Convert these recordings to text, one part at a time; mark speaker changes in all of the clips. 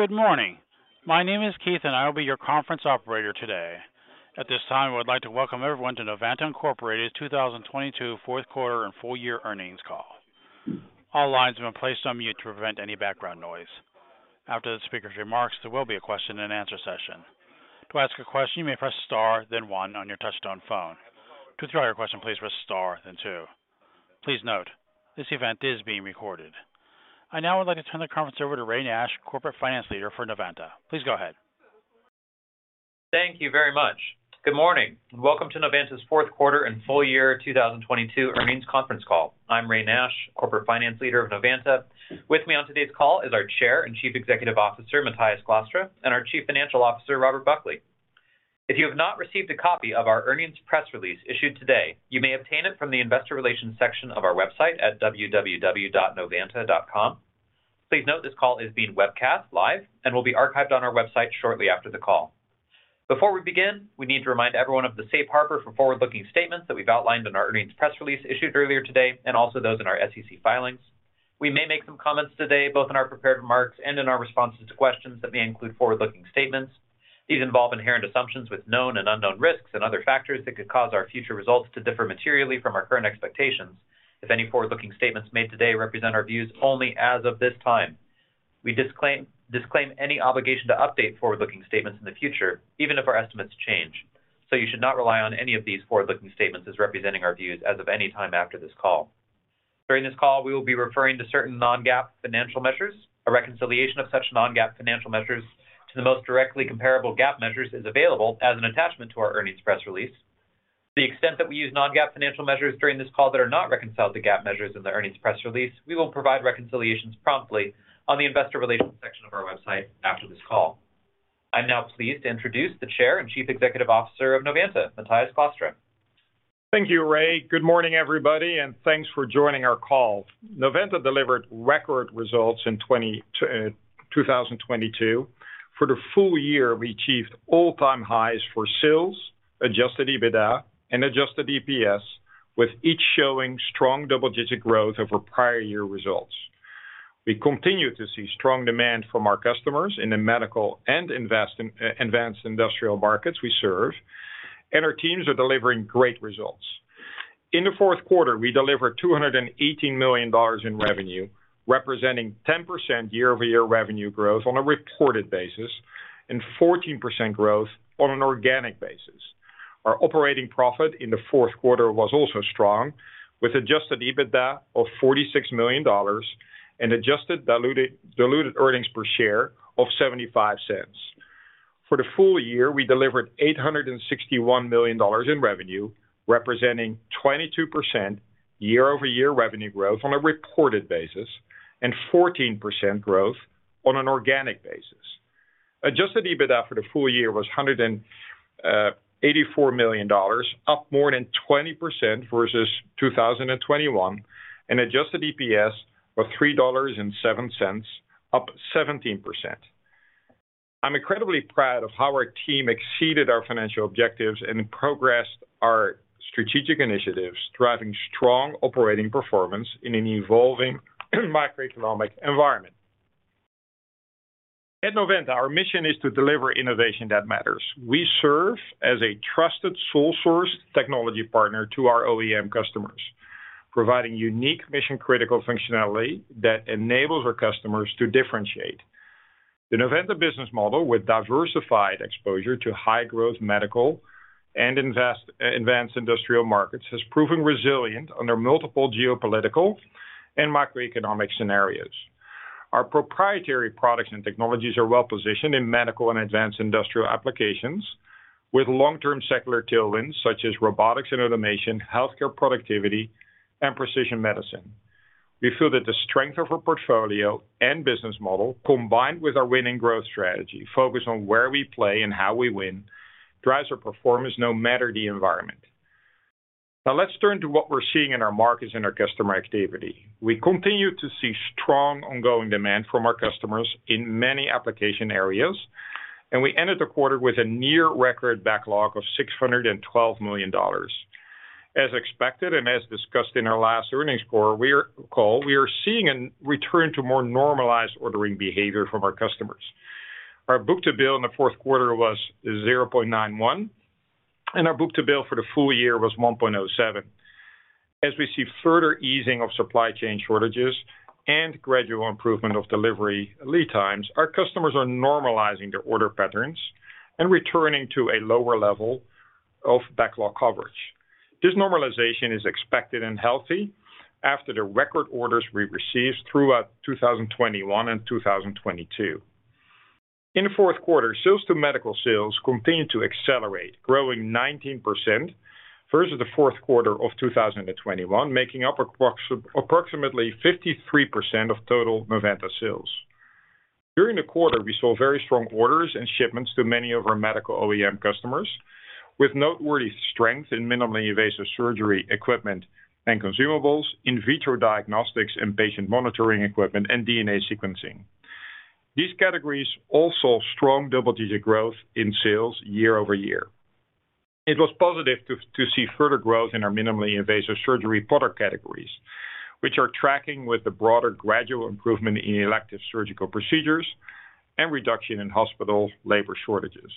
Speaker 1: Good morning. My name is Keith, and I will be your conference operator today. At this time, we would like to welcome everyone to Novanta Inc.'s 2022 4th quarter and full year earnings call. All lines have been placed on mute to prevent any background noise. After the speaker's remarks, there will be a question and answer session. To ask a question, you may press star, then one on your touchtone phone. To withdraw your question, please press star, then two. Please note, this event is being recorded. I now would like to turn the conference over to Ray Nash, Corporate Finance Leader for Novanta. Please go ahead.
Speaker 2: Thank you very much. Good morning. Welcome to Novanta's fourth quarter and full year 2022 earnings conference call. I'm Ray Nash, Corporate Finance Leader of Novanta. With me on today's call is our Chair and Chief Executive Officer, Matthijs Glastra, and our Chief Financial Officer, Robert Buckley. If you have not received a copy of our earnings press release issued today, you may obtain it from the investor relations section of our website at www.novanta.com. Please note this call is being webcast live and will be archived on our website shortly after the call. Before we begin, we need to remind everyone of the safe harbor for forward-looking statements that we've outlined in our earnings press release issued earlier today, also those in our SEC filings. We may make some comments today, both in our prepared remarks and in our responses to questions that may include forward-looking statements. These involve inherent assumptions with known and unknown risks and other factors that could cause our future results to differ materially from our current expectations. If any forward-looking statements made today represent our views only as of this time. We disclaim any obligation to update forward-looking statements in the future, even if our estimates change. You should not rely on any of these forward-looking statements as representing our views as of any time after this call. During this call, we will be referring to certain non-GAAP financial measures. A reconciliation of such non-GAAP financial measures to the most directly comparable GAAP measures is available as an attachment to our earnings press release. The extent that we use non-GAAP financial measures during this call that are not reconciled to GAAP measures in the earnings press release, we will provide reconciliations promptly on the investor relations section of our website after this call. I'm now pleased to introduce the Chair and Chief Executive Officer of Novanta, Matthijs Glastra.
Speaker 3: Thank you, Ray. Good morning, everybody, and thanks for joining our call. Novanta delivered record results in 2022. For the full year, we achieved all-time highs for sales, adjusted EBITDA, and adjusted EPS, with each showing strong double-digit growth over prior year results. We continue to see strong demand from our customers in the medical and advanced industrial markets we serve, and our teams are delivering great results. In the fourth quarter, we delivered $218 million in revenue, representing 10% year-over-year revenue growth on a reported basis and 14% growth on an organic basis. Our operating profit in the fourth quarter was also strong, with adjusted EBITDA of $46 million and adjusted diluted earnings per share of $0.75. For the full year, we delivered $861 million in revenue, representing 22% year-over-year revenue growth on a reported basis and 14% growth on an organic basis. Adjusted EBITDA for the full year was $184 million, up more than 20% versus 2021, and adjusted EPS of $3.07, up 17%. I'm incredibly proud of how our team exceeded our financial objectives and progressed our strategic initiatives, driving strong operating performance in an evolving macroeconomic environment. At Novanta, our mission is to deliver innovation that matters. We serve as a trusted sole source technology partner to our OEM customers, providing unique mission-critical functionality that enables our customers to differentiate. The Novanta business model, with diversified exposure to high-growth medical and advanced industrial markets, has proven resilient under multiple geopolitical and macroeconomic scenarios. Our proprietary products and technologies are well-positioned in medical and advanced industrial applications with long-term secular tailwinds such as robotics and automation, healthcare productivity, and precision medicine. We feel that the strength of our portfolio and business model, combined with our winning growth strategy, focused on where we play and how we win, drives our performance no matter the environment. Let's turn to what we're seeing in our markets and our customer activity. We continue to see strong ongoing demand from our customers in many application areas, and we ended the quarter with a near record backlog of $612 million. As expected and as discussed in our last earnings call, we are seeing a return to more normalized ordering behavior from our customers. Our book-to-bill in the fourth quarter was 0.91. Our book-to-bill for the full year was 1.07. As we see further easing of supply chain shortages and gradual improvement of delivery lead times, our customers are normalizing their order patterns and returning to a lower level of backlog coverage. This normalization is expected and healthy after the record orders we received throughout 2021 and 2022. In the fourth quarter, sales to medical sales continued to accelerate, growing 19% versus the fourth quarter of 2021, making up approximately 53% of total Novanta sales. During the quarter, we saw very strong orders and shipments to many of our medical OEM customers, with noteworthy strength in minimally invasive surgery equipment and consumables, in vitro diagnostics and patient monitoring equipment, and DNA sequencing. These categories all saw strong double-digit growth in sales year-over-year. It was positive to see further growth in our minimally invasive surgery product categories, which are tracking with the broader gradual improvement in elective surgical procedures and reduction in hospital labor shortages.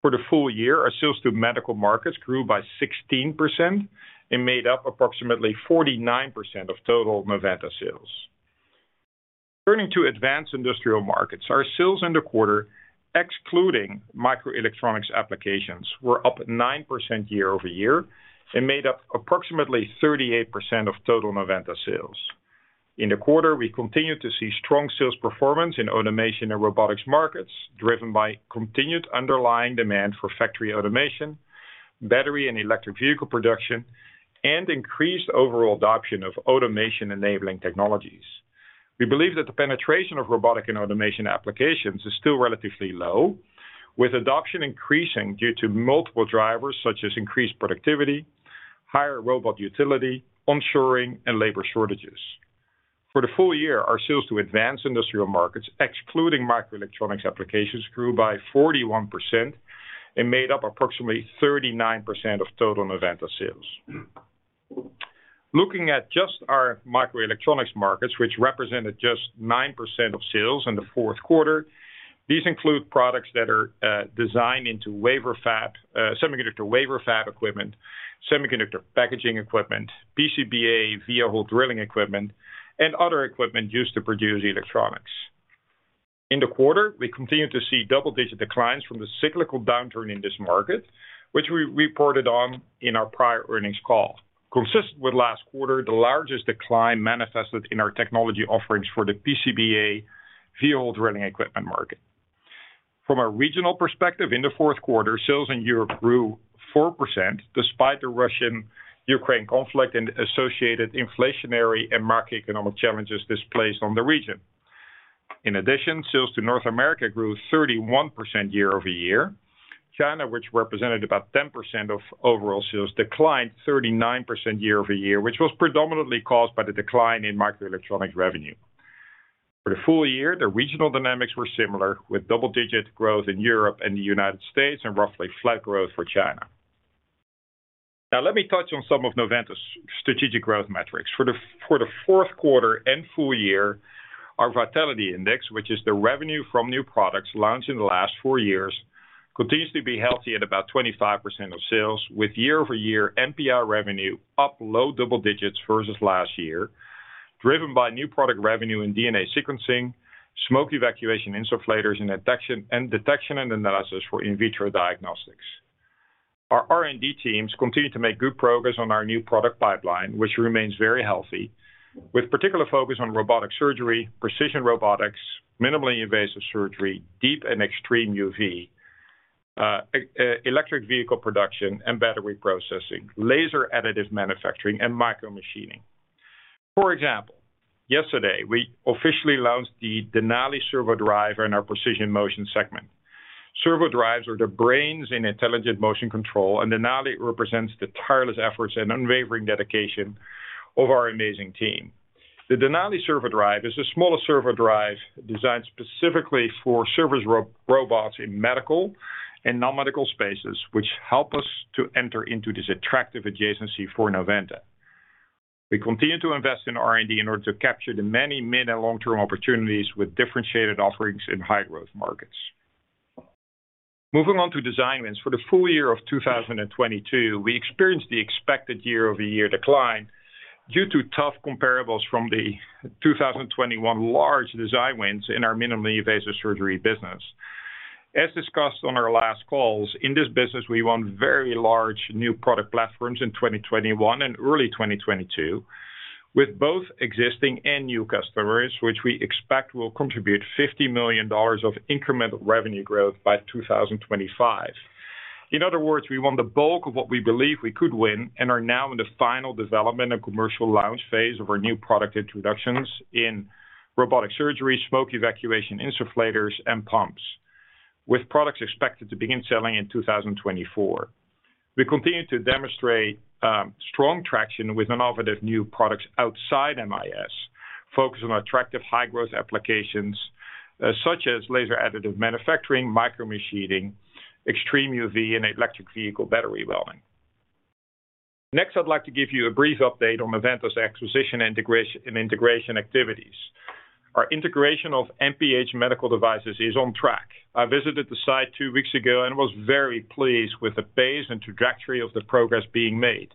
Speaker 3: For the full year, our sales to medical markets grew by 16% and made up approximately 49% of total Novanta sales. Turning to advanced industrial markets, our sales in the quarter, excluding microelectronics applications, were up 9% year-over-year and made up approximately 38% of total Novanta sales. In the quarter, we continued to see strong sales performance in automation and robotics markets, driven by continued underlying demand for factory automation, battery and electric vehicle production, and increased overall adoption of automation-enabling technologies. We believe that the penetration of robotic and automation applications is still relatively low, with adoption increasing due to multiple drivers such as increased productivity, higher robot utility, on-shoring and labor shortages. For the full year, our sales to advanced industrial markets, excluding microelectronics applications, grew by 41% and made up approximately 39% of total Novanta sales. Looking at just our microelectronics markets, which represented just 9% of sales in the fourth quarter. These include products that are designed into semiconductor wafer fab equipment, semiconductor packaging equipment, PCBA via hole drilling equipment, and other equipment used to produce electronics. In the quarter, we continued to see double-digit declines from the cyclical downturn in this market, which we reported on in our prior earnings call. Consistent with last quarter, the largest decline manifested in our technology offerings for the PCBA via hole drilling equipment market. From a regional perspective, in the fourth quarter, sales in Europe grew 4% despite the Russia-Ukraine conflict and associated inflationary and macroeconomic challenges this placed on the region. In addition, sales to North America grew 31% year-over-year. China, which represented about 10% of overall sales, declined 39% year-over-year, which was predominantly caused by the decline in microelectronics revenue. For the full year, the regional dynamics were similar, with double-digit growth in Europe and the United States and roughly flat growth for China. Now, let me touch on some of Novanta's strategic growth metrics. For the fourth quarter and full year, our vitality index, which is the revenue from new products launched in the last four years, continues to be healthy at about 25% of sales, with year-over-year NPR revenue up low double digits versus last year, driven by new product revenue in DNA sequencing, smoke evacuation insufflators, and detection and analysis for in vitro diagnostics. Our R&D teams continue to make good progress on our new product pipeline, which remains very healthy, with particular focus on robotic surgery, precision robotics, minimally invasive surgery, deep and extreme UV, electric vehicle production and battery processing, laser additive manufacturing, and micromachining. For example, yesterday, we officially launched the Denali Servo Drive in our Precision Motion segment. Servo drives are the brains in intelligent motion control, and Denali represents the tireless efforts and unwavering dedication of our amazing team. The Denali Servo Drive is the smallest servo drive designed specifically for service robots in medical and non-medical spaces, which help us to enter into this attractive adjacency for Novanta. We continue to invest in R&D in order to capture the many mid and long-term opportunities with differentiated offerings in high-growth markets. Moving on to design wins. For the full year of 2022, we experienced the expected year-over-year decline due to tough comparables from the 2021 large design wins in our minimally invasive surgery business. As discussed on our last calls, in this business, we won very large new product platforms in 2021 and early 2022 with both existing and new customers, which we expect will contribute $50 million of incremental revenue growth by 2025. In other words, we won the bulk of what we believe we could win and are now in the final development of commercial launch phase of our new product introductions in robotic surgery, smoke evacuation insufflators, and pumps, with products expected to begin selling in 2024. We continue to demonstrate strong traction with innovative new products outside MIS, focused on attractive high-growth applications such as laser additive manufacturing, micromachining, extreme UV, and electric vehicle battery welding. Next, I'd like to give you a brief update on Novanta's acquisition integration activities. Our integration of MPH Medical Devices is on track. I visited the site two weeks ago and was very pleased with the pace and trajectory of the progress being made.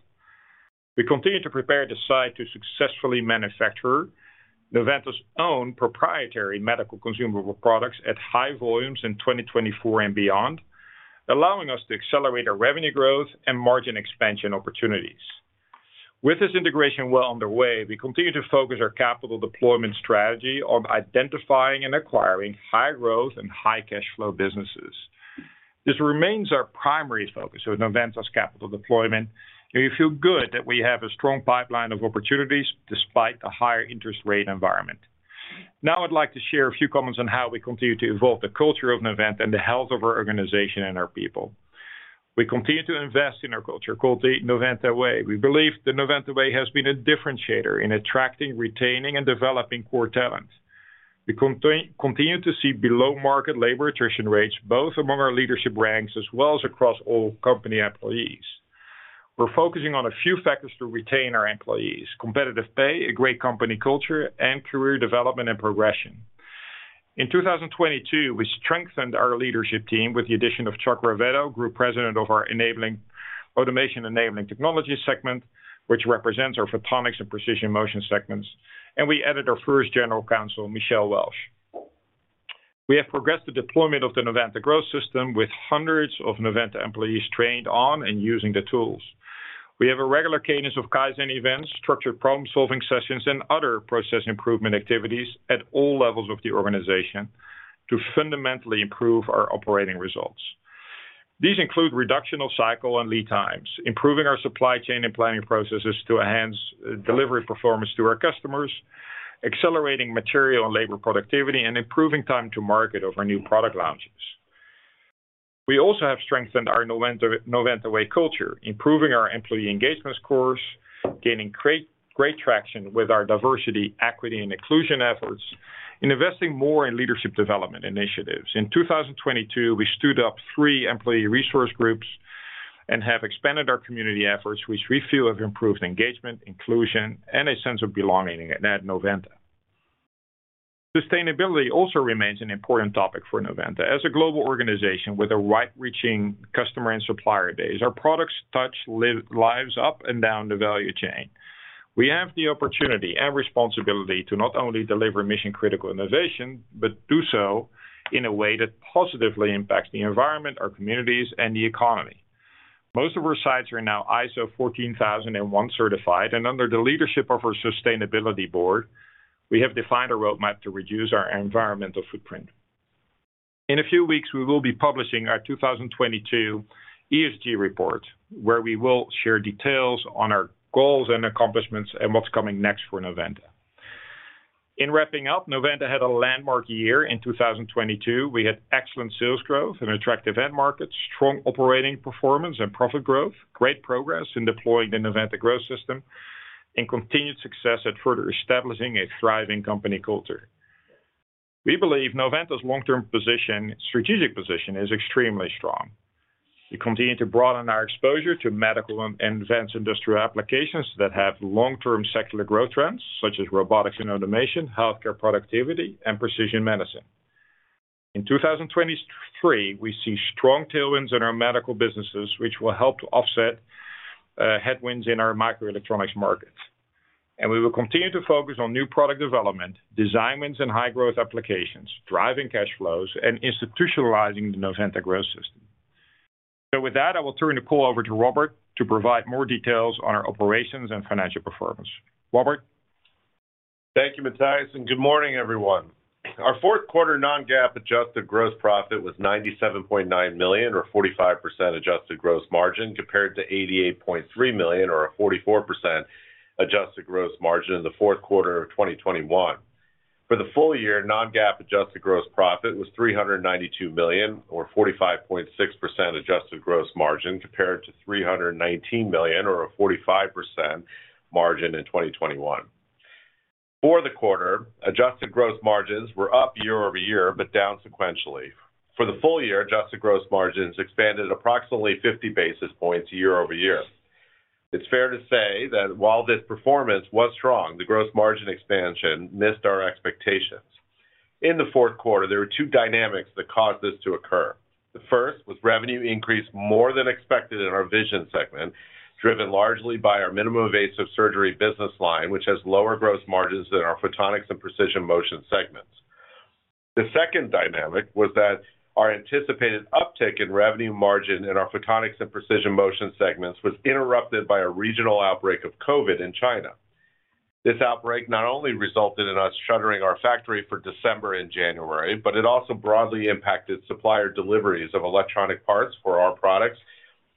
Speaker 3: We continue to prepare the site to successfully manufacture Novanta's own proprietary medical consumable products at high volumes in 2024 and beyond, allowing us to accelerate our revenue growth and margin expansion opportunities. With this integration well underway, we continue to focus our capital deployment strategy on identifying and acquiring high-growth and high-cash flow businesses. This remains our primary focus of Novanta's capital deployment, and we feel good that we have a strong pipeline of opportunities despite the higher interest rate environment. I'd like to share a few comments on how we continue to evolve the culture of Novanta and the health of our organization and our people. We continue to invest in our culture, called The Novanta Way. We believe The Novanta Way has been a differentiator in attracting, retaining, and developing core talent. We continue to see below market labor attrition rates, both among our leadership ranks as well as across all company employees. We're focusing on a few factors to retain our employees, competitive pay, a great company culture, and career development and progression. In 2022, we strengthened our leadership team with the addition of Chuck Ravetto, Group President of our Automation Enabling Technologies segment, which represents our Photonics and Precision Motion segments, and we added our first General Counsel, Michele Welsh. We have progressed the deployment of the Novanta Growth System with hundreds of Novanta employees trained on and using the tools. We have a regular cadence of Kaizen events, structured problem-solving sessions, and other process improvement activities at all levels of the organization to fundamentally improve our operating results. These include reduction of cycle and lead times, improving our supply chain and planning processes to enhance delivery performance to our customers, accelerating material and labor productivity, and improving time to market of our new product launches. We also have strengthened our Novanta Way culture, improving our employee engagement scores, gaining great traction with our diversity, equity, and inclusion efforts, and investing more in leadership development initiatives. In 2022, we stood up three employee resource groups and have expanded our community efforts, which we feel have improved engagement, inclusion, and a sense of belonging at Novanta. Sustainability also remains an important topic for Novanta. As a global organization with a wide-reaching customer and supplier base, our products touch lives up and down the value chain. We have the opportunity and responsibility to not only deliver mission-critical innovation, but do so in a way that positively impacts the environment, our communities, and the economy. Most of our sites are now ISO 14001 certified, under the leadership of our sustainability board, we have defined a roadmap to reduce our environmental footprint. In a few weeks, we will be publishing our 2022 ESG report, where we will share details on our goals and accomplishments and what's coming next for Novanta. In wrapping up, Novanta had a landmark year in 2022. We had excellent sales growth in attractive end markets, strong operating performance and profit growth, great progress in deploying the Novanta Growth System, and continued success at further establishing a thriving company culture. We believe Novanta's strategic position is extremely strong. We continue to broaden our exposure to medical and advanced industrial applications that have long-term secular growth trends, such as robotics and automation, healthcare productivity, and precision medicine. In 2023, we see strong tailwinds in our medical businesses, which will help to offset headwinds in our microelectronics markets. We will continue to focus on new product development, design wins in high-growth applications, driving cash flows, and institutionalizing the Novanta Growth System. With that, I will turn the call over to Robert to provide more details on our operations and financial performance. Robert?
Speaker 4: Thank you, Matthijs. Good morning, everyone. Our fourth quarter non-GAAP adjusted gross profit was $97.9 million or 45% adjusted gross margin compared to $88.3 million or a 44% adjusted gross margin in the fourth quarter of 2021. For the full year, non-GAAP adjusted gross profit was $392 million or 45.6% adjusted gross margin compared to $319 million or a 45% margin in 2021. For the quarter, adjusted gross margins were up year-over-year, but down sequentially. For the full year, adjusted gross margins expanded approximately 50 basis points year-over-year. It's fair to say that while this performance was strong, the gross margin expansion missed our expectations. In the fourth quarter, there were two dynamics that caused this to occur. The first was revenue increased more than expected in our Vision segment, driven largely by our minimally invasive surgery business line, which has lower gross margins than our Photonics and Precision Motion segments. The second dynamic was that our anticipated uptick in revenue margin in our Photonics and Precision Motion segments was interrupted by a regional outbreak of COVID in China. This outbreak not only resulted in us shuttering our factory for December and January, but it also broadly impacted supplier deliveries of electronic parts for our products,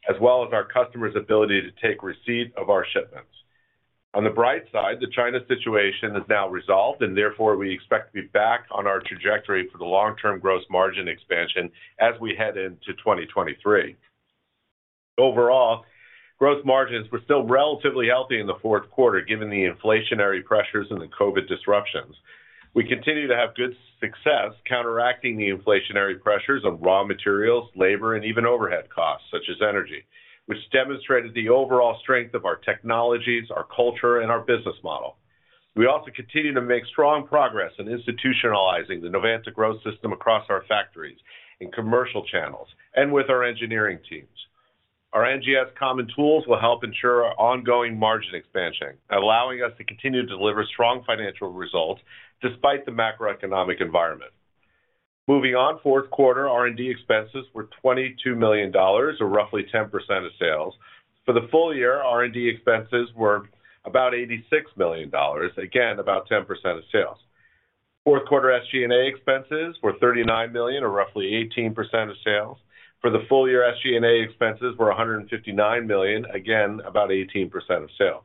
Speaker 4: as well as our customers' ability to take receipt of our shipments. On the bright side, the China situation is now resolved. Therefore, we expect to be back on our trajectory for the long-term gross margin expansion as we head into 2023. Overall, gross margins were still relatively healthy in the fourth quarter, given the inflationary pressures and the COVID disruptions. We continue to have good success counteracting the inflationary pressures of raw materials, labor, and even overhead costs, such as energy, which demonstrated the overall strength of our technologies, our culture, and our business model. We also continue to make strong progress in institutionalizing the Novanta Growth System across our factories and commercial channels, and with our engineering teams. Our NGS common tools will help ensure our ongoing margin expansion, allowing us to continue to deliver strong financial results despite the macroeconomic environment. Moving on, fourth quarter R&D expenses were $22 million or roughly 10% of sales. For the full year, R&D expenses were about $86 million, again, about 10% of sales. Fourth quarter SG&A expenses were $39 million or roughly 18% of sales. For the full year, SG&A expenses were $159 million, again, about 18% of sales.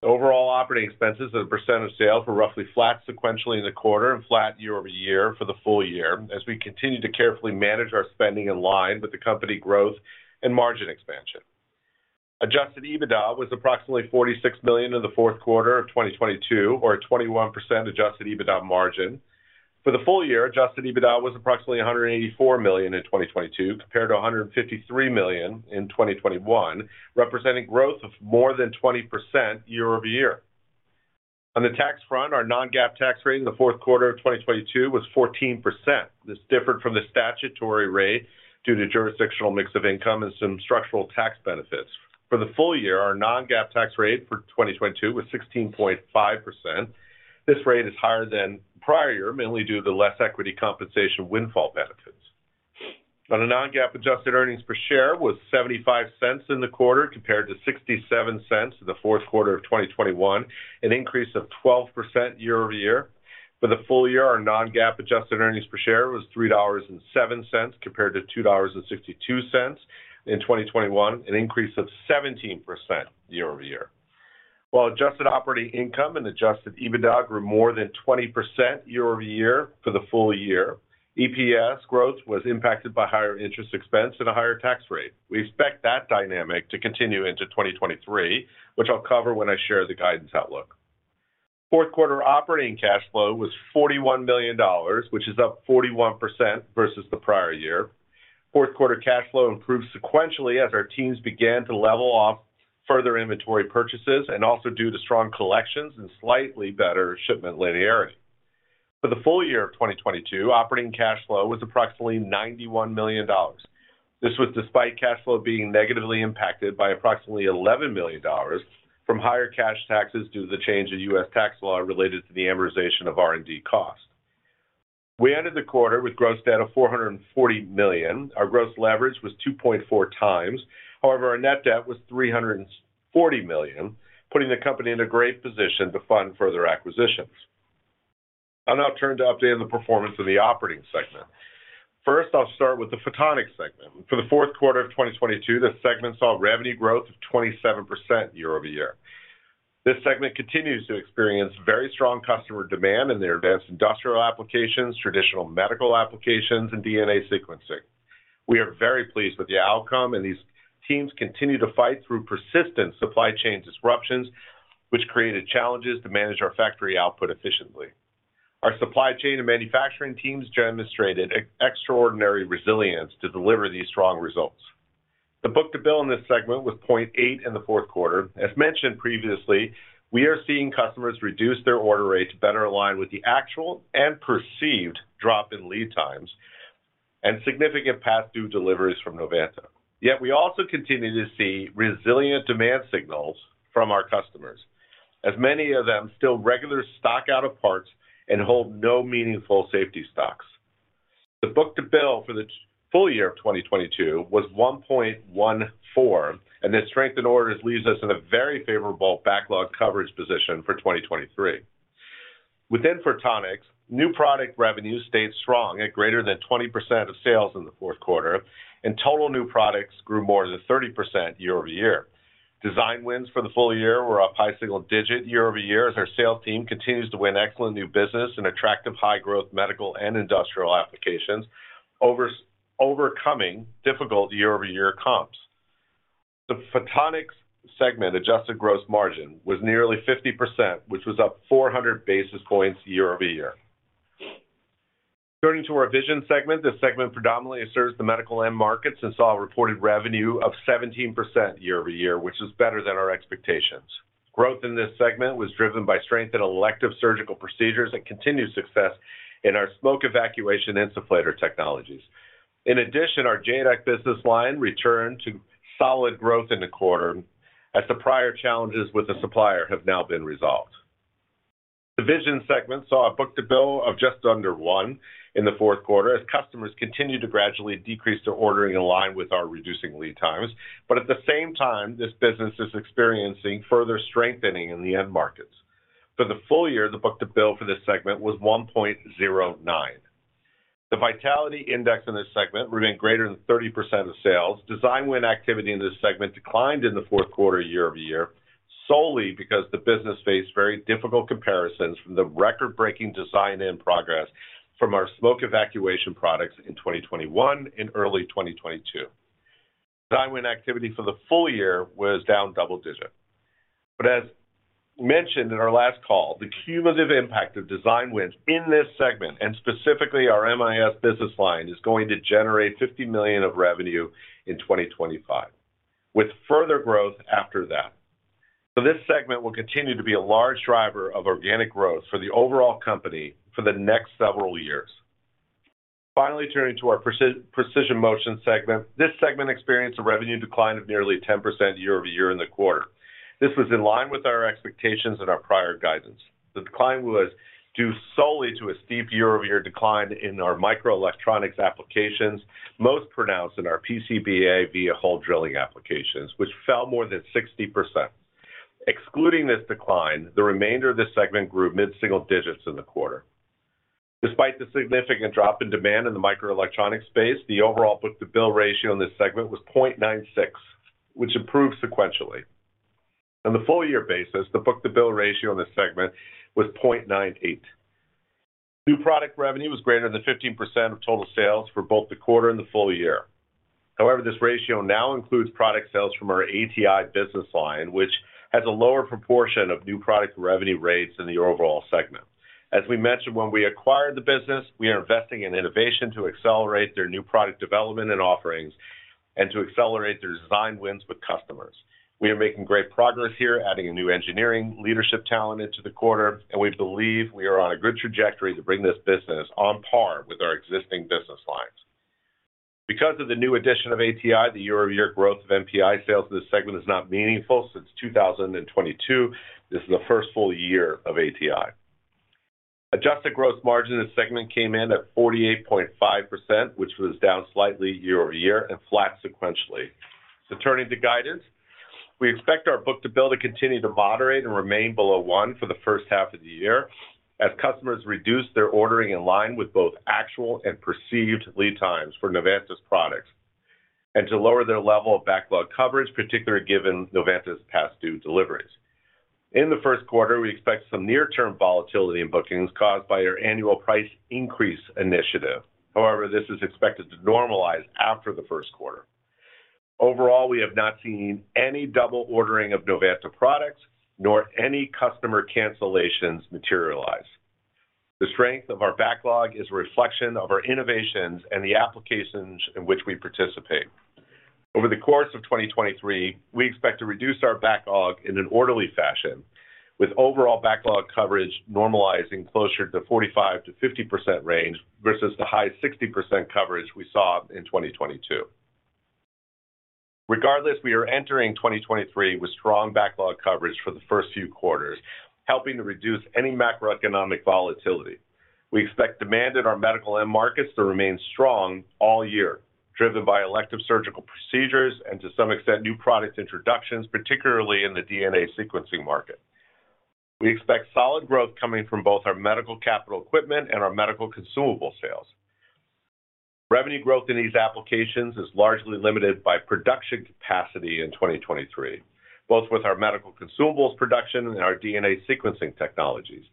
Speaker 4: Overall operating expenses as a percent of sale were roughly flat sequentially in the quarter and flat year-over-year for the full year as we continue to carefully manage our spending in line with the company growth and margin expansion. Adjusted EBITDA was approximately $46 million in the fourth quarter of 2022, or a 21% adjusted EBITDA margin. For the full year, Adjusted EBITDA was approximately $184 million in 2022 compared to $153 million in 2021, representing growth of more than 20% year-over-year. On the tax front, our non-GAAP tax rate in the fourth quarter of 2022 was 14%. This differed from the statutory rate due to jurisdictional mix of income and some structural tax benefits. For the full year, our non-GAAP tax rate for 2022 was 16.5%. This rate is higher than prior year, mainly due to less equity compensation windfall benefits. On a non-GAAP, adjusted earnings per share was $0.75 in the quarter, compared to $0.67 in the fourth quarter of 2021, an increase of 12% year-over-year. For the full year, our non-GAAP adjusted earnings per share was $3.07 compared to $2.62 in 2022, an increase of 17% year-over-year. While adjusted operating income and adjusted EBITDA grew more than 20% year-over-year for the full year, EPS growth was impacted by higher interest expense and a higher tax rate. We expect that dynamic to continue into 2023, which I'll cover when I share the guidance outlook. Fourth quarter operating cash flow was $41 million, which is up 41% versus the prior year. Fourth quarter cash flow improved sequentially as our teams began to level off further inventory purchases and also due to strong collections and slightly better shipment linearity. For the full year of 2022, operating cash flow was approximately $91 million. This was despite cash flow being negatively impacted by approximately $11 million from higher cash taxes due to the change in U.S. tax law related to the amortization of R&D costs. We ended the quarter with gross debt of $440 million. Our gross leverage was 2.4x. Our net debt was $340 million, putting the company in a great position to fund further acquisitions. I'll now turn to updating the performance of the operating segment. I'll start with the Photonics segment. For the fourth quarter of 2022, this segment saw revenue growth of 27% year-over-year. This segment continues to experience very strong customer demand in their advanced industrial applications, traditional medical applications, and DNA sequencing. We are very pleased with the outcome, and these teams continue to fight through persistent supply chain disruptions, which created challenges to manage our factory output efficiently. Our supply chain and manufacturing teams demonstrated extraordinary resilience to deliver these strong results. The book-to-bill in this segment was 0.8 in the fourth quarter. As mentioned previously, we are seeing customers reduce their order rates better aligned with the actual and perceived drop in lead times and significant pass-through deliveries from Novanta. We also continue to see resilient demand signals from our customers, as many of them still regularly stock out of parts and hold no meaningful safety stocks. The book-to-bill for the full year of 2022 was 1.14, this strength in orders leaves us in a very favorable backlog coverage position for 2023. Within Photonics, new product revenue stayed strong at greater than 20% of sales in the fourth quarter, total new products grew more than 30% year-over-year. Design wins for the full year were up high single digit year-over-year as our sales team continues to win excellent new business in attractive high-growth medical and industrial applications, overcoming difficult year-over-year comps. The Photonics segment adjusted gross margin was nearly 50%, which was up 400 basis points year-over-year. Turning to our Vision segment, this segment predominantly serves the medical end markets and saw a reported revenue of 17% year-over-year, which was better than our expectations. Growth in this segment was driven by strength in elective surgical procedures and continued success in our smoke evacuation insufflators technologies. In addition, our JADAK business line returned to solid growth in the quarter as the prior challenges with the supplier have now been resolved. The Vision segment saw a book-to-bill of just under one in the fourth quarter as customers continued to gradually decrease their ordering in line with our reducing lead times. At the same time, this business is experiencing further strengthening in the end markets. For the full year, the book-to-bill for this segment was 1.09. The vitality index in this segment remained greater than 30% of sales. Design win activity in this segment declined in the fourth quarter year-over-year, solely because the business faced very difficult comparisons from the record-breaking design in progress from our smoke evacuation products in 2021 and early 2022. Design win activity for the full year was down double-digit. As mentioned in our last call, the cumulative impact of design wins in this segment, and specifically our MIS business line, is going to generate $50 million of revenue in 2025, with further growth after that. This segment will continue to be a large driver of organic growth for the overall company for the next several years. Finally, turning to our Precision Motion segment. This segment experienced a revenue decline of nearly 10% year-over-year in the quarter. This was in line with our expectations in our prior guidance. The decline was due solely to a steep year-over-year decline in our microelectronics applications, most pronounced in our PCBA via hole drilling applications, which fell more than 60%. Excluding this decline, the remainder of this segment grew mid-single digits in the quarter. Despite the significant drop in demand in the microelectronics space, the overall book-to-bill ratio in this segment was 0.96, which improved sequentially. On the full year basis, the book-to-bill ratio in this segment was 0.98. New Product Revenue was greater than 15% of total sales for both the quarter and the full year. This ratio now includes product sales from our ATI business line, which has a lower proportion of new product revenue rates in the overall segment. As we mentioned when we acquired the business, we are investing in innovation to accelerate their new product development and offerings and to accelerate their design wins with customers. We are making great progress here, adding a new engineering leadership talent into the quarter, and we believe we are on a good trajectory to bring this business on par with our existing business lines. Because of the new addition of ATI, the year-over-year growth of NPI sales in this segment is not meaningful since 2022. This is the first full year of ATI. Adjusted gross margin in this segment came in at 48.5%, which was down slightly year-over-year and flat sequentially. Turning to guidance, we expect our book-to-bill to continue to moderate and remain below one for the first half of the year as customers reduce their ordering in line with both actual and perceived lead times for Novanta's products, and to lower their level of backlog coverage, particularly given Novanta's past due deliveries. In the first quarter, we expect some near-term volatility in bookings caused by our annual price increase initiative. However, this is expected to normalize after the first quarter. Overall, we have not seen any double ordering of Novanta products nor any customer cancellations materialize. The strength of our backlog is a reflection of our innovations and the applications in which we participate. Over the course of 2023, we expect to reduce our backlog in an orderly fashion, with overall backlog coverage normalizing closer to 45%-50% range versus the high 60% coverage we saw in 2022. Regardless, we are entering 2023 with strong backlog coverage for the first few quarters, helping to reduce any macroeconomic volatility. We expect demand in our medical end markets to remain strong all year, driven by elective surgical procedures and to some extent, new product introductions, particularly in the DNA sequencing market. We expect solid growth coming from both our medical capital equipment and our medical consumable sales. Revenue growth in these applications is largely limited by production capacity in 2023, both with our medical consumables production and our DNA sequencing technologies.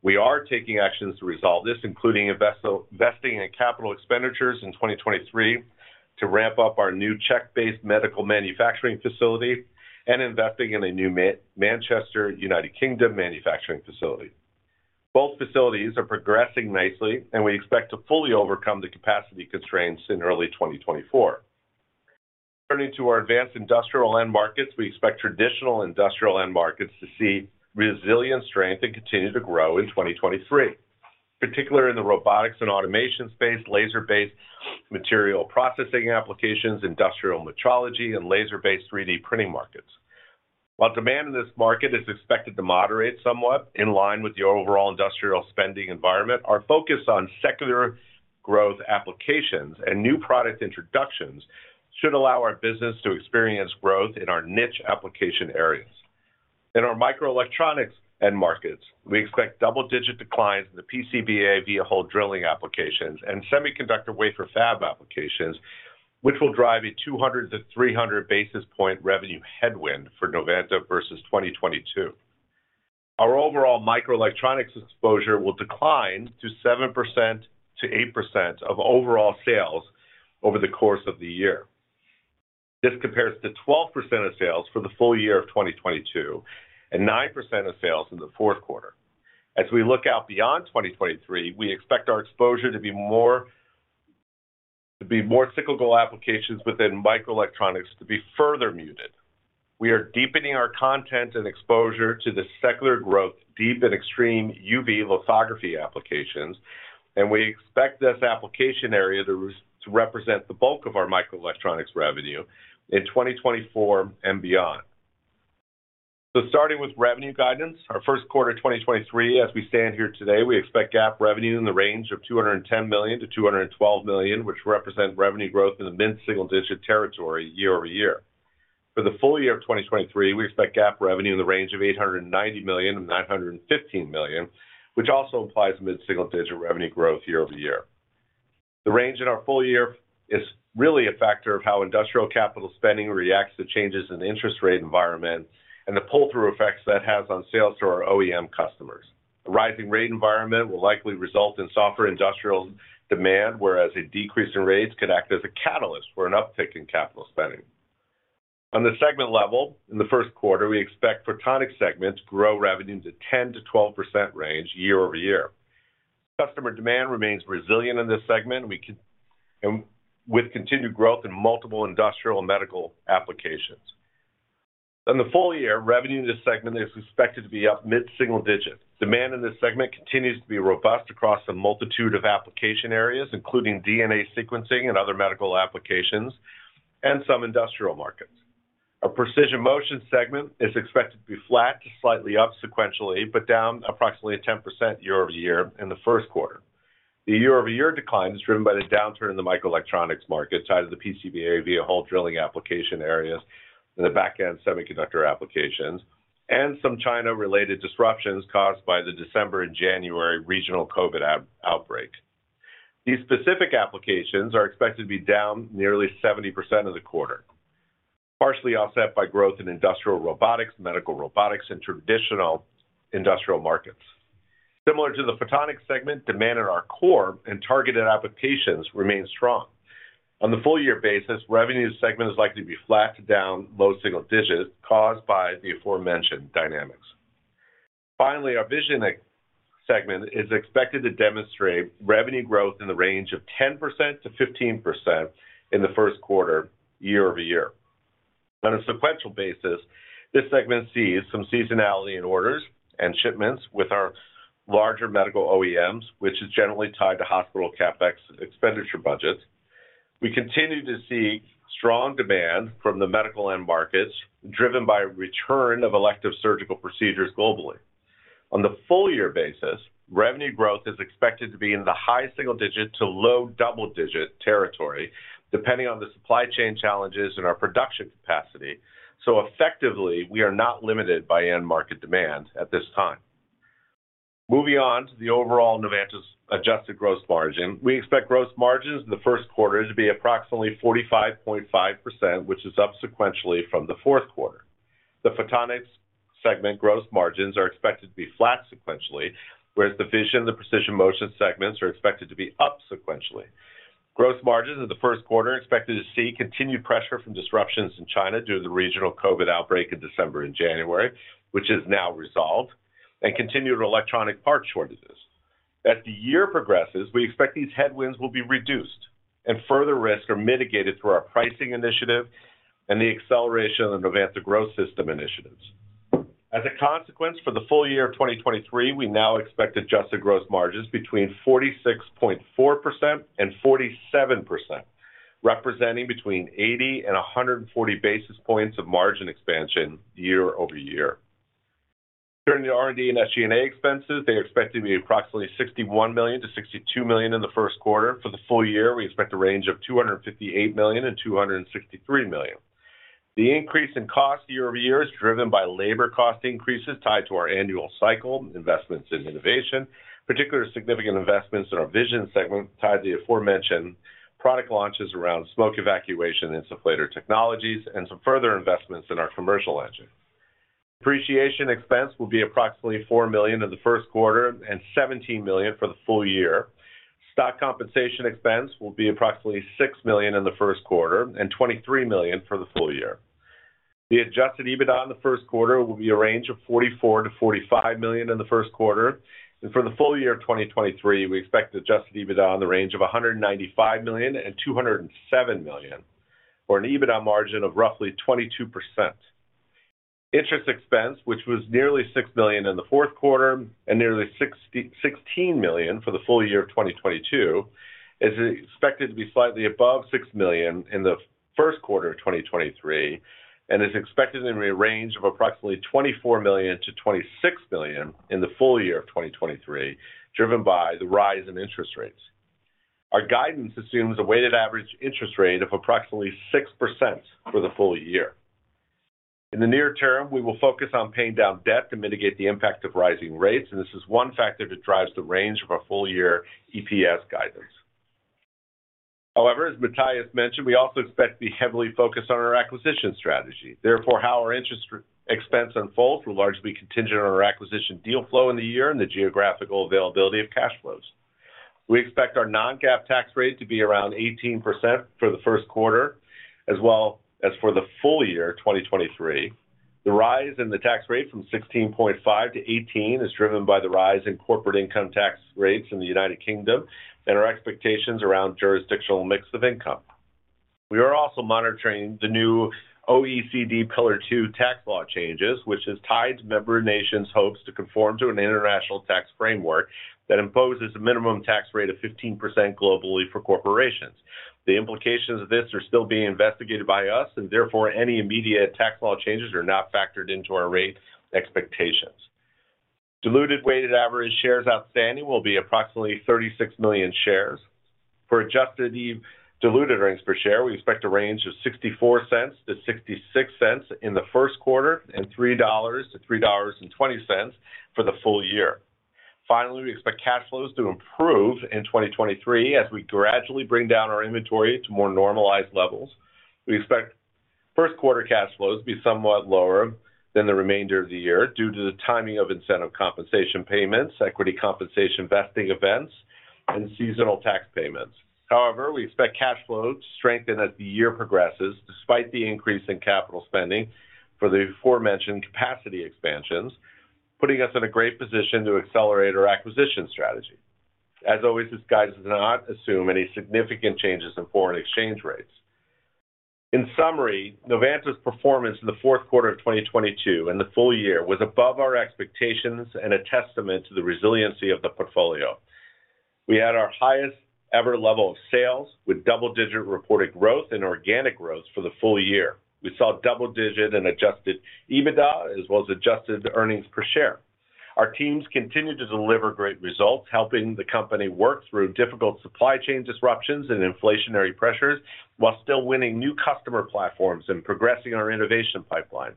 Speaker 4: We are taking actions to resolve this, including investing in capital expenditures in 2023 to ramp up our new Czech-based medical manufacturing facility and investing in a new Manchester, United Kingdom, manufacturing facility. Both facilities are progressing nicely, and we expect to fully overcome the capacity constraints in early 2024. Turning to our advanced industrial end markets, we expect traditional industrial end markets to see resilient strength and continue to grow in 2023, particularly in the robotics and automation space, laser-based material processing applications, industrial metrology, and laser-based 3D printing markets. While demand in this market is expected to moderate somewhat in line with the overall industrial spending environment, our focus on secular growth applications and new product introductions should allow our business to experience growth in our niche application areas. In our microelectronics end markets, we expect double-digit declines in the PCBA via hole drilling applications and semiconductor wafer fab applications, which will drive a 200-300 basis point revenue headwind for Novanta versus 2022. Our overall microelectronics exposure will decline to 7%-8% of overall sales over the course of the year. This compares to 12% of sales for the full year of 2022 and 9% of sales in the fourth quarter. As we look out beyond 2023, we expect our exposure to be more cyclical applications within microelectronics to be further muted. We are deepening our content and exposure to the secular growth deep and extreme UV lithography applications, and we expect this application area to represent the bulk of our microelectronics revenue in 2024 and beyond. Starting with revenue guidance, our first quarter 2023 as we stand here today, we expect GAAP revenue in the range of $210 million-$212 million, which represent revenue growth in the mid-single digit territory year-over-year. For the full year of 2023, we expect GAAP revenue in the range of $890 million and $915 million, which also implies mid-single digit revenue growth year-over-year. The range in our full year is really a factor of how industrial capital spending reacts to changes in the interest rate environment and the pull-through effects that has on sales to our OEM customers. A rising rate environment will likely result in softer industrial demand, whereas a decrease in rates could act as a catalyst for an uptick in capital spending. On the segment level, in the first quarter, we expect Photonics segment to grow revenue to 10%-12% range year-over-year. Customer demand remains resilient in this segment. We with continued growth in multiple industrial and medical applications. On the full year, revenue in this segment is expected to be up mid-single digits. Demand in this segment continues to be robust across a multitude of application areas, including DNA sequencing and other medical applications, and some industrial markets. Our Precision Motion segment is expected to be flat to slightly up sequentially, but down approximately 10% year-over-year in the first quarter. The year-over-year decline is driven by the downturn in the microelectronics market tied to the PCBA via hole drilling application areas in the back-end semiconductor applications and some China-related disruptions caused by the December and January regional COVID outbreak. These specific applications are expected to be down nearly 70% of the quarter. Partially offset by growth in industrial robotics, medical robotics, and traditional industrial markets. Similar to the Photonics segment, demand in our core and targeted applications remains strong. On the full year basis, revenue segment is likely to be flat to down low single digits caused by the aforementioned dynamics. Our Vision segment is expected to demonstrate revenue growth in the range of 10%-15% in the first quarter year-over-year. This segment sees some seasonality in orders and shipments with our larger medical OEMs, which is generally tied to hospital CapEx expenditure budgets. We continue to see strong demand from the medical end markets, driven by a return of elective surgical procedures globally. On the full year basis, revenue growth is expected to be in the high single digit to low double-digit territory, depending on the supply chain challenges and our production capacity. Effectively, we are not limited by end market demand at this time. Moving on to the overall Novanta's adjusted gross margin. We expect gross margins in the first quarter to be approximately 45.5%, which is up sequentially from the fourth quarter. The Photonics segment gross margins are expected to be flat sequentially, whereas the Vision, the Precision Motion segments are expected to be up sequentially. Gross margins in the first quarter are expected to see continued pressure from disruptions in China due to the regional COVID outbreak in December and January, which is now resolved, and continued electronic parts shortages. As the year progresses, we expect these headwinds will be reduced, and further risks are mitigated through our pricing initiative and the acceleration of the Novanta Growth System initiatives. As a consequence, for the full year of 2023, we now expect adjusted gross margins between 46.4% and 47%, representing between 80 and 140 basis points of margin expansion year-over-year. During the R&D and SG&A expenses, they are expected to be approximately $61 million-$62 million in the first quarter. For the full year, we expect a range of $258 million and $263 million. The increase in cost year-over-year is driven by labor cost increases tied to our annual cycle, investments in innovation, particularly significant investments in our Vision segment tied to the aforementioned product launches around smoke evacuation insufflator technologies, and some further investments in our commercial engine. Depreciation expense will be approximately $4 million in the first quarter and $17 million for the full year. Stock compensation expense will be approximately $6 million in the first quarter and $23 million for the full year. The adjusted EBITDA in the first quarter will be a range of $44 million-$45 million in the first quarter. For the full year of 2023, we expect adjusted EBITDA in the range of $195 million and $207 million, or an EBITDA margin of roughly 22%. Interest expense, which was nearly $6 million in the fourth quarter and nearly $16 million for the full year of 2022, is expected to be slightly above $6 million in the first quarter of 2023, and is expected in a range of approximately $24 million-$26 million in the full year of 2023, driven by the rise in interest rates. Our guidance assumes a weighted average interest rate of approximately 6% for the full year. In the near-term, we will focus on paying down debt to mitigate the impact of rising rates. This is one factor that drives the range of our full-year EPS guidance. However, as Matthijs mentioned, we also expect to be heavily focused on our acquisition strategy. How our interest expense unfolds will largely be contingent on our acquisition deal flow in the year and the geographical availability of cash flows. We expect our non-GAAP tax rate to be around 18% for the first quarter as well as for the full year of 2023. The rise in the tax rate from 16.5 to 18 is driven by the rise in corporate income tax rates in the United Kingdom and our expectations around jurisdictional mix of income. We are also monitoring the new OECD Pillar Two tax law changes, which is tied to member nations hopes to conform to an international tax framework that imposes a minimum tax rate of 15% globally for corporations. The implications of this are still being investigated by us, and therefore, any immediate tax law changes are not factored into our rate expectations. Diluted weighted average shares outstanding will be approximately 36 million shares. For adjusted diluted earnings per share, we expect a range of $0.64-$0.66 in the first quarter and $3.00-$3.20 for the full year. We expect cash flows to improve in 2023 as we gradually bring down our inventory to more normalized levels. We expect first quarter cash flows to be somewhat lower than the remainder of the year due to the timing of incentive compensation payments, equity compensation vesting events, and seasonal tax payments. We expect cash flows to strengthen as the year progresses, despite the increase in capital spending for the aforementioned capacity expansions, putting us in a great position to accelerate our acquisition strategy. As always, this guidance does not assume any significant changes in foreign exchange rates. In summary, Novanta's performance in the fourth quarter of 2022 and the full year was above our expectations and a testament to the resiliency of the portfolio. We had our highest ever level of sales with double-digit reported growth and organic growth for the full year. We saw double-digit and adjusted EBITDA, as well as adjusted earnings per share. Our teams continued to deliver great results, helping the company work through difficult supply chain disruptions and inflationary pressures while still winning new customer platforms and progressing our innovation pipeline.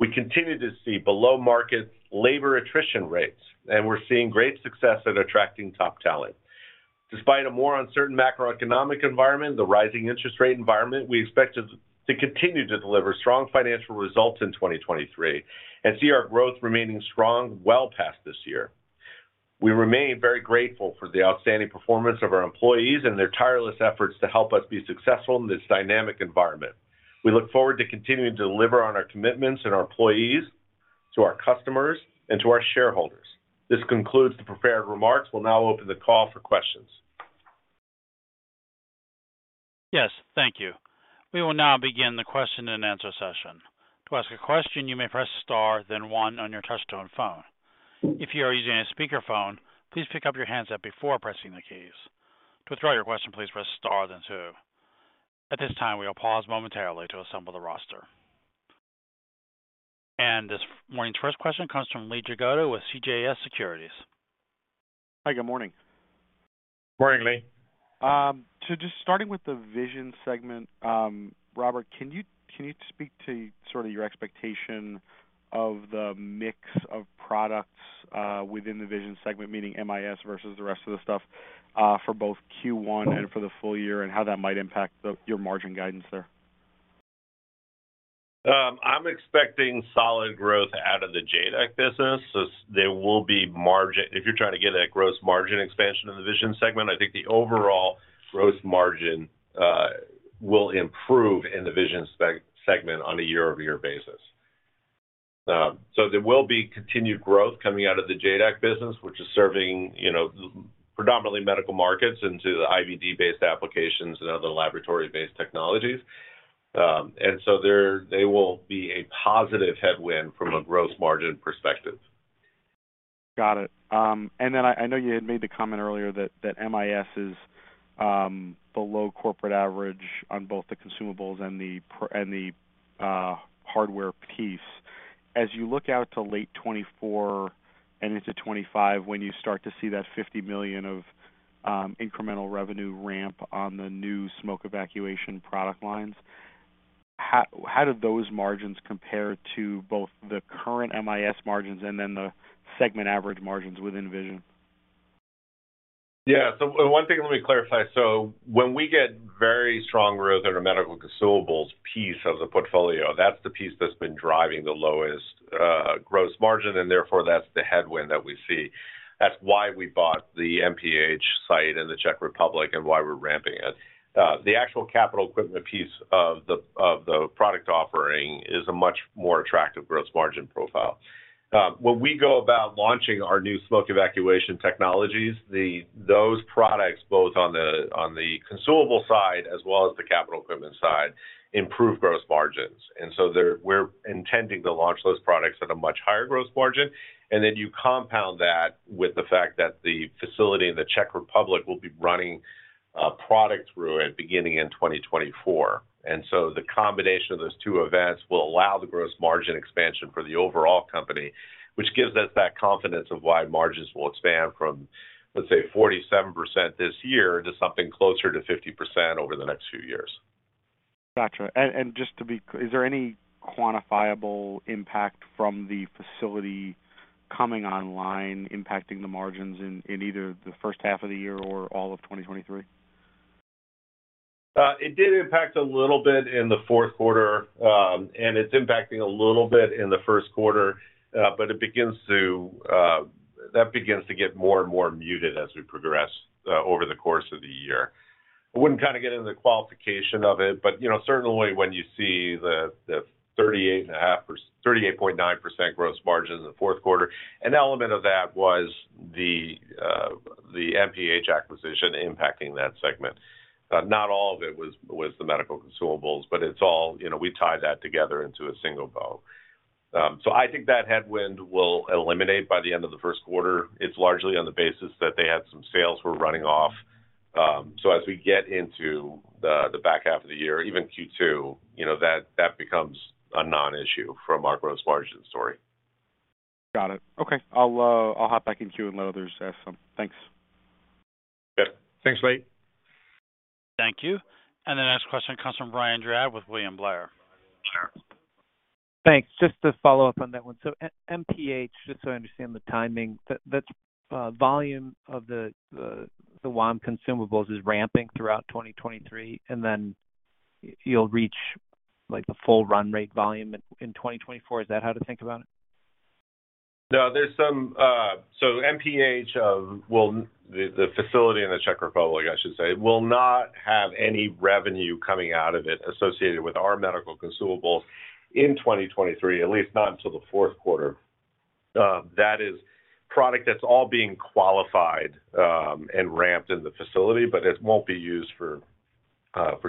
Speaker 4: We continue to see below-market labor attrition rates, and we're seeing great success at attracting top talent. Despite a more uncertain macroeconomic environment, the rising interest rate environment, we expect to continue to deliver strong financial results in 2023 and see our growth remaining strong well past this year. We remain very grateful for the outstanding performance of our employees and their tireless efforts to help us be successful in this dynamic environment. We look forward to continuing to deliver on our commitments to our employees, to our customers, and to our shareholders. This concludes the prepared remarks. We'll now open the call for questions.
Speaker 1: Yes. Thank you. We will now begin the question and answer session. To ask a question, you may press star, then one on your touch-tone phone. If you are using a speakerphone, please pick up your handset before pressing the keys. To withdraw your question, please press star then two. At this time, we will pause momentarily to assemble the roster. This morning's first question comes from Lee Jagoda with CJS Securities.
Speaker 5: Hi, good morning.
Speaker 4: Morning, Lee.
Speaker 5: Just starting with the Vision segment, Robert, can you speak to sort of your expectation of the mix of products within the Vision segment, meaning MIS versus the rest of the stuff, for both Q1 and for the full year, and how that might impact your margin guidance there?
Speaker 4: I'm expecting solid growth out of the JADAK business. There will be margin. If you're trying to get at gross margin expansion in the Vision segment, I think the overall gross margin will improve in the Vision segment on a year-over-year basis. There will be continued growth coming out of the JADAK business, which is serving, you know, predominantly medical markets into the IVD-based applications and other laboratory-based technologies. There they will be a positive headwind from a gross margin perspective.
Speaker 5: Got it. I know you had made the comment earlier that MIS is below corporate average on both the consumables and the hardware piece. As you look out to late 2024 and into 2025, when you start to see that $50 million of incremental revenue ramp on the new smoke evacuation product lines, how do those margins compare to both the current MIS margins and then the segment average margins within Vision?
Speaker 4: One thing let me clarify. When we get very strong growth in our medical consumables piece of the portfolio, that's the piece that's been driving the lowest gross margin, and therefore that's the headwind that we see. That's why we bought the MPH site in the Czech Republic and why we're ramping it. The actual capital equipment piece of the product offering is a much more attractive gross margin profile. When we go about launching our new smoke evacuation technologies, those products, both on the consumable side as well as the capital equipment side, improve gross margins. We're intending to launch those products at a much higher gross margin. You compound that with the fact that the facility in the Czech Republic will be running products through it beginning in 2024. The combination of those two events will allow the gross margin expansion for the overall company, which gives us that confidence of why margins will expand from, let's say, 47% this year to something closer to 50% over the next few years.
Speaker 5: Got you. Is there any quantifiable impact from the facility coming online impacting the margins in either the first half of the year or all of 2023?
Speaker 4: It did impact a little bit in the fourth quarter, and it's impacting a little bit in the first quarter. That begins to get more and more muted as we progress over the course of the year. I wouldn't kind of get into the qualification of it, but, you know, certainly when you see the 38.9% gross margin in the fourth quarter, an element of that was the MPH acquisition impacting that segment. Not all of it was the medical consumables, but it's all, you know, we tie that together into a single bow. I think that headwind will eliminate by the end of the first quarter. It's largely on the basis that they had some sales we're running off. As we get into the back half of the year, even Q2, you know, that becomes a non-issue from our gross margin story.
Speaker 5: Got it. Okay. I'll hop back in queue and let others ask some. Thanks.
Speaker 4: Yeah. Thanks, Lee.
Speaker 1: Thank you. The next question comes from Brian Drab with William Blair.
Speaker 6: Thanks. Just to follow-up on that one. MPH, just so I understand the timing, that's volume of the WOM consumables is ramping throughout 2023, you'll reach, like, the full run rate volume in 2024. Is that how to think about it?
Speaker 4: No. There's some. MPH, the facility in the Czech Republic, I should say, will not have any revenue coming out of it associated with our medical consumables in 2023, at least not until the fourth quarter. That is product that's all being qualified and ramped in the facility, but it won't be used for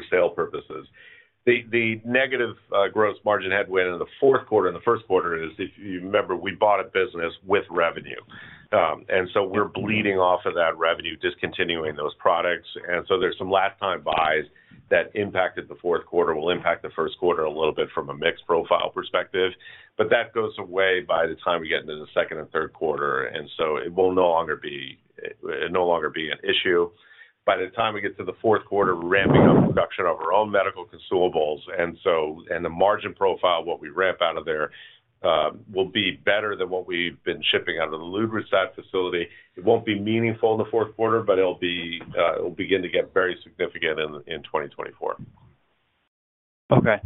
Speaker 4: sale purposes. The negative gross margin headwind in the fourth quarter and the first quarter is, if you remember, we bought a business with revenue. We're bleeding off of that revenue, discontinuing those products. There's some last time buys that impacted the fourth quarter, will impact the first quarter a little bit from a mix profile perspective. That goes away by the time we get into the second and third quarter, it will no longer be an issue. By the time we get to the fourth quarter, ramping up production of our own medical consumables, and the margin profile, what we ramp out of there, will be better than what we've been shipping out of the Ludwigsburg facility. It won't be meaningful in the fourth quarter, but it'll be, it'll begin to get very significant in 2024.
Speaker 6: Okay.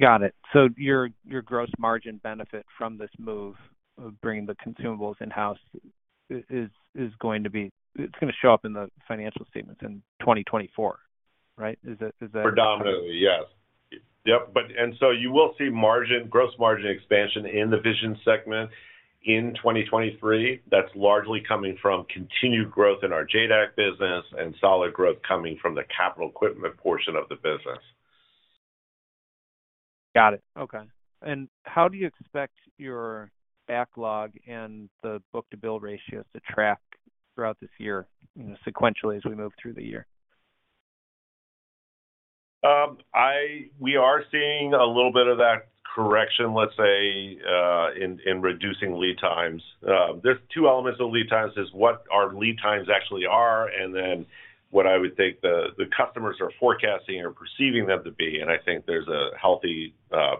Speaker 6: Got it. Your gross margin benefit from this move of bringing the consumables in-house, it's going to show up in the financial statements in 2024, right?
Speaker 4: Predominantly, yes. Yep. You will see margin, gross margin expansion in the Vision segment in 2023. That's largely coming from continued growth in our JADAK business and solid growth coming from the capital equipment portion of the business.
Speaker 6: Got it. Okay. How do you expect your backlog and the book-to-bill ratios to track throughout this year, you know, sequentially, as we move through the year?
Speaker 4: We are seeing a little bit of that correction, let's say, in reducing lead times. There's two elements of lead times is what our lead times actually are, and then what I would think the customers are forecasting or perceiving them to be. And I think there's a healthy tension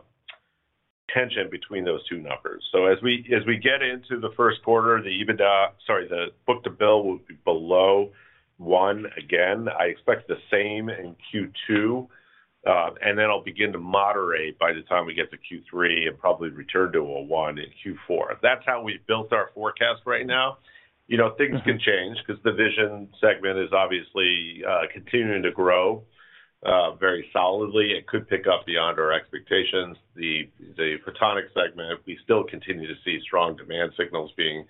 Speaker 4: between those two numbers. As we get into the first quarter, the EBITDA, sorry, the book-to-bill will be below one again. I expect the same in Q2, and then it'll begin to moderate by the time we get to Q3 and probably return to a one in Q4. That's how we've built our forecast right now. You know, things can change 'cause the Vision segment is obviously continuing to grow very solidly. It could pick up beyond our expectations. The Photonics segment, we still continue to see strong demand signals being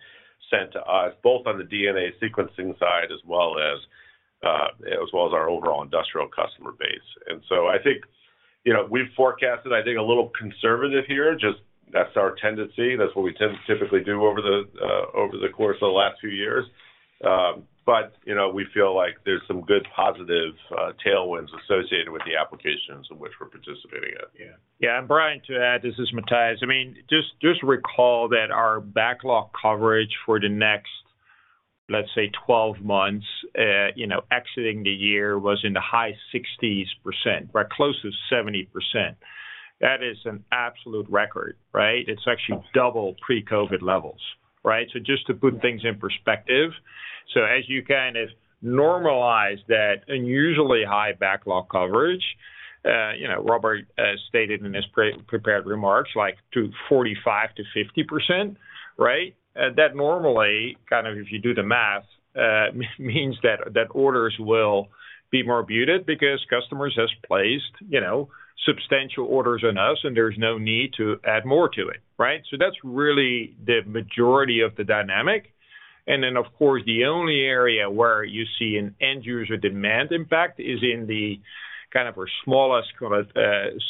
Speaker 4: sent to us, both on the DNA sequencing side as well as well as our overall industrial customer base. I think, you know, we've forecasted, I think, a little conservative here, just that's our tendency. That's what we typically do over the course of the last few years. You know, we feel like there's some good positive tailwinds associated with the applications in which we're participating in.
Speaker 3: Yeah. Brian, to add, this is Matthijs. I mean, just recall that our backlog coverage for the next, let's say, 12 months, you know, exiting the year was in the high 60s% or close to 70%. That is an absolute record, right? It's actually double pre-COVID levels, right? Just to put things in perspective. As you kind of normalize that unusually high backlog coverage, you know, Robert has stated in his pre-prepared remarks, like to 45%-50%, right? That normally, kind of, if you do the math, means that orders will be more muted because customers has placed, you know, substantial orders on us, and there's no need to add more to it, right? That's really the majority of the dynamic. Then, of course, the only area where you see an end user demand impact is in the kind of our smallest kind of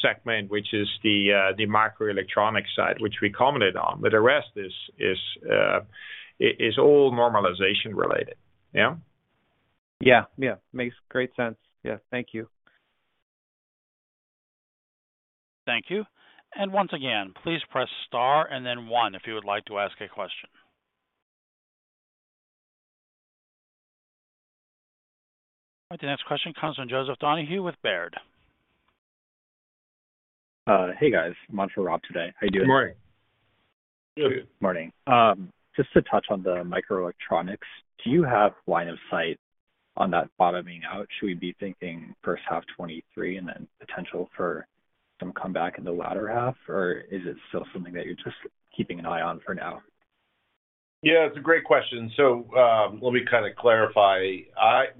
Speaker 3: segment, which is the microelectronics side, which we commented on. The rest is all normalization related. Yeah.
Speaker 6: Yeah. Yeah. Makes great sense. Yeah. Thank you.
Speaker 1: Thank you. once again, please press star and then one if you would like to ask a question. The next question comes from Joseph Donahue with Baird.
Speaker 7: Hey, guys. I'm on for Rob today. How you doing?
Speaker 4: Good morning.
Speaker 7: Morning. Just to touch on the microelectronics, do you have line of sight on that bottoming out? Should we be thinking first half 2023 and then potential for some comeback in the latter half? Is it still something that you're just keeping an eye on for now?
Speaker 4: Yeah, it's a great question. Let me kind of clarify.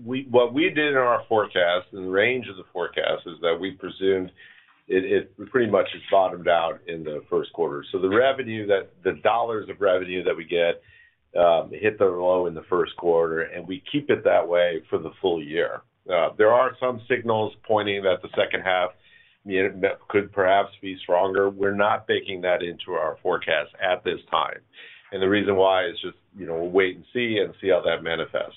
Speaker 4: What we did in our forecast and range of the forecast is that we presumed it pretty much has bottomed out in the first quarter. The dollars of revenue that we get hit the low in the first quarter, and we keep it that way for the full year. There are some signals pointing that the second half, you know, could perhaps be stronger. We're not baking that into our forecast at this time. The reason why is just, you know, we'll wait and see and see how that manifests.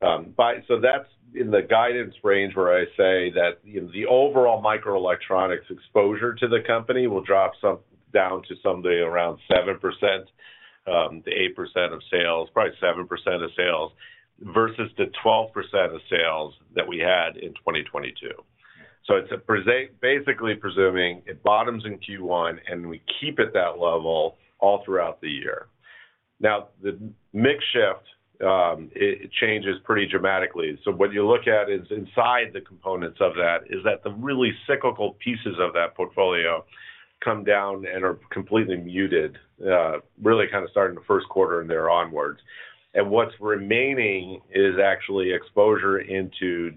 Speaker 4: That's in the guidance range where I say that, you know, the overall microelectronics exposure to the company will drop some down to someday around 7%-8% of sales, probably 7% of sales, versus the 12% of sales that we had in 2022. It's basically presuming it bottoms in Q1, and we keep it that level all throughout the year. Now, the mix shift, it changes pretty dramatically. What you look at is inside the components of that is that the really cyclical pieces of that portfolio come down and are completely muted, really kind of starting the first quarter and thereafter onwards. What's remaining is actually exposure into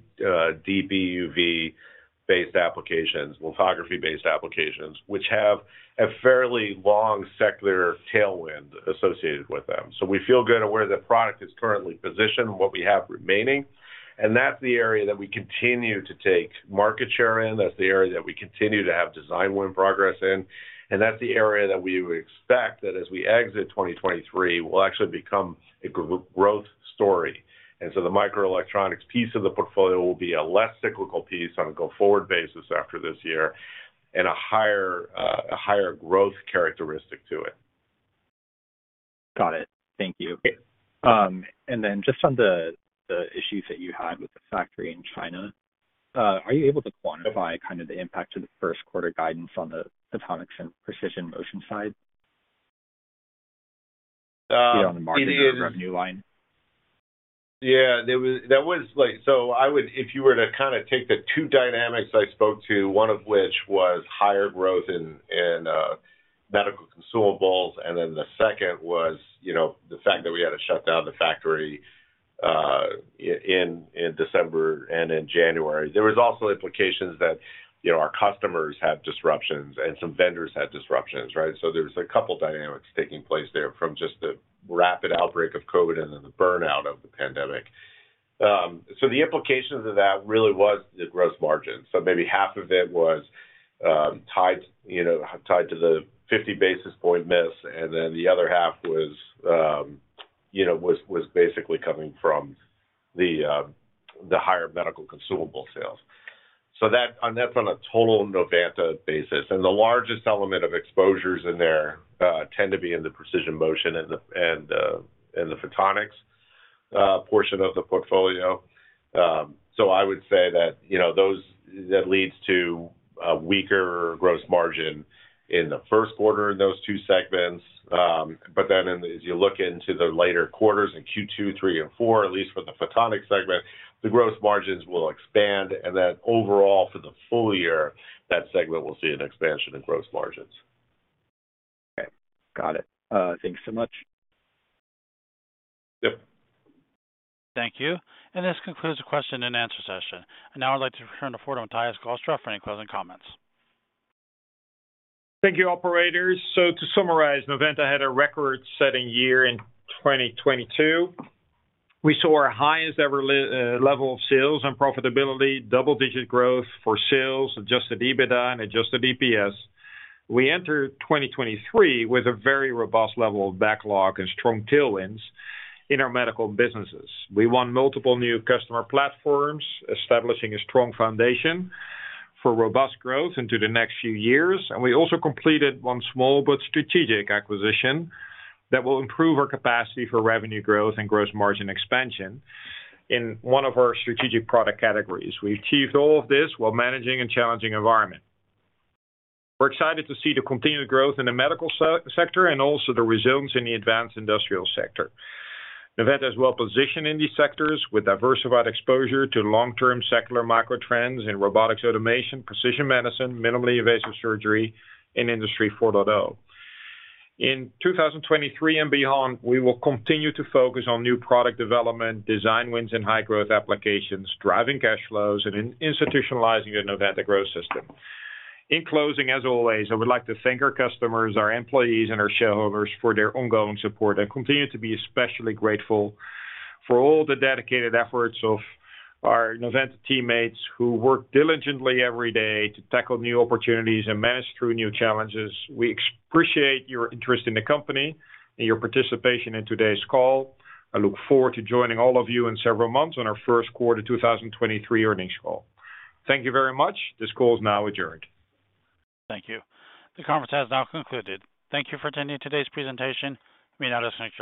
Speaker 4: DPUV-based applications, lithography-based applications, which have a fairly long secular tailwind associated with them. We feel good at where the product is currently positioned, what we have remaining, and that's the area that we continue to take market share in. That's the area that we continue to have design win progress in, and that's the area that we would expect that as we exit 2023 will actually become a growth story. The microelectronics piece of the portfolio will be a less cyclical piece on a go-forward basis after this year and a higher, a higher growth characteristic to it.
Speaker 7: Got it. Thank you. Just on the issues that you had with the factory in China, are you able to quantify kind of the impact to the first quarter guidance on the Photonics and Precision Motion side?
Speaker 3: Um, it is-
Speaker 7: On the market or revenue line.
Speaker 3: Yeah. There was. That was like. If you were to kind of take the two dynamics I spoke to, one of which was higher growth in medical consumables, and then the second was, you know, the fact that we had to shut down the factory in December and in January. There was also implications that, you know, our customers had disruptions and some vendors had disruptions, right? There's a couple dynamics taking place there from just the rapid outbreak of COVID and then the burnout of the pandemic. The implications of that really was the gross margin. Maybe half of it was tied, you know, tied to the 50 basis point miss, and then the other half was, you know, was basically coming from the higher medical consumable sales. On that from a total Novanta basis, and the largest element of exposures in there, tend to be in the Precision Motion and the Photonics portion of the portfolio. I would say that, you know, that leads to a weaker gross margin in the first quarter in those two segments. As you look into the later quarters in Q2, Q3, and Q4, at least for the Photonics segment, the gross margins will expand. Overall for the full year, that segment will see an expansion in gross margins.
Speaker 7: Okay. Got it. Thanks so much.
Speaker 3: Yep.
Speaker 1: Thank you. This concludes the question and answer session. Now I'd like to turn to Matthijs Glastra for any closing comments.
Speaker 3: Thank you, operators. To summarize, Novanta had a record-setting year in 2022. We saw our highest ever level of sales and profitability, double-digit growth for sales, adjusted EBITDA and adjusted EPS. We entered 2023 with a very robust level of backlog and strong tailwinds in our medical businesses. We won multiple new customer platforms, establishing a strong foundation for robust growth into the next few years. We also completed one small but strategic acquisition that will improve our capacity for revenue growth and gross margin expansion in one of our strategic product categories. We achieved all of this while managing a challenging environment. We're excited to see the continued growth in the medical sector and also the resumes in the advanced industrial sector. Novanta is well-positioned in these sectors with diversified exposure to long-term secular micro trends in robotics automation, precision medicine, minimally invasive surgery, and Industry 4.0. In 2023 and beyond, we will continue to focus on new product development, design wins, and high growth applications, driving cash flows and institutionalizing a Novanta Growth System. In closing, as always, I would like to thank our customers, our employees, and our shareholders for their ongoing support and continue to be especially grateful for all the dedicated efforts of our Novanta teammates who work diligently every day to tackle new opportunities and manage through new challenges. We appreciate your interest in the company and your participation in today's call. I look forward to joining all of you in several months on our first quarter 2023 earnings call. Thank you very much. This call is now adjourned.
Speaker 1: Thank you. The conference has now concluded. Thank you for attending today's presentation. You may now disconnect your lines.